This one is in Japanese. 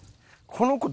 この子。